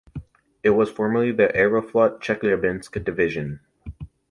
It was formerly the Aeroflot Chelyabinsk Division.